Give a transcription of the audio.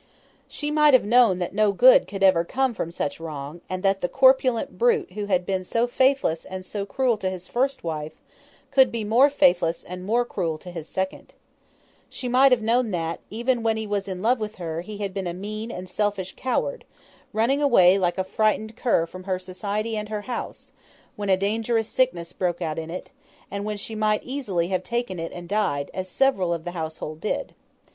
She might have known that no good could ever come from such wrong, and that the corpulent brute who had been so faithless and so cruel to his first wife, could be more faithless and more cruel to his second. She might have known that, even when he was in love with her, he had been a mean and selfish coward, running away, like a frightened cur, from her society and her house, when a dangerous sickness broke out in it, and when she might easily have taken it and died, as several of the household did.